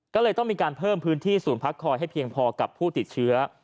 ก็เลยต้องมีการเพิ่มพื้นที่ศูนย์พักคอยให้เพียงพอกับผู้ติดเชื้อ